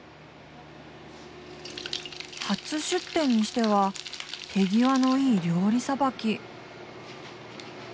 初出店にしては手際のいい料理さばき。